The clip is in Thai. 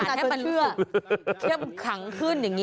อ๋ออ่านให้มันเชื่อเข้มขังขึ้นอย่างนี้